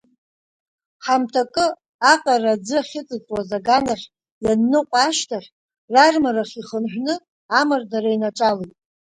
Ҳамҭакы аҟара аӡы ахьыҵыҵуаз аганахь ианныҟәа ашьҭахь рармарахь ихынҳәны амардара инаҿалеит.